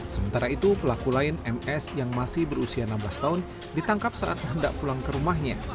sementara itu pelaku lain ms yang masih berusia enam belas tahun ditangkap saat hendak pulang ke rumahnya